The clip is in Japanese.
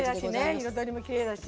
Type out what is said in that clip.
彩りもきれいだし。